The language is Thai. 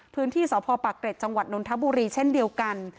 พื้นที่สพปเกร็จจนทบุรีเช่นเดียวกัน